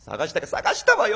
「捜したわよ！